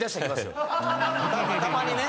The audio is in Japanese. たまにね。